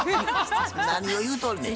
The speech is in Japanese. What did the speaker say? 何を言うとるねん。